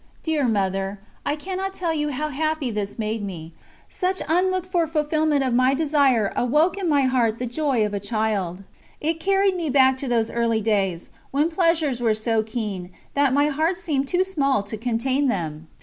Dear Mother, I cannot tell you how happy this made me. Such unlooked for fulfillment of my desire awoke in my heart the joy of a child; it carried me back to those early days, when pleasures were so keen, that my heart seemed too small to contain them.